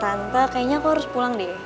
santa kayaknya aku harus pulang deh